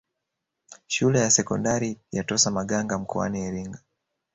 Shule ya sekondari ya Tosamaganga mkoani Iringa